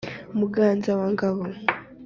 muganza wa ngabo